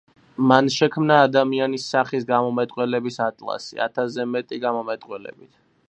მან შექმნა ადამიანის სახის გამომეტყველების ატლასი, ათასზე მეტი გამომეტყველებით.